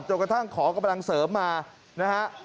กระทั่งขอกำลังเสริมมานะฮะ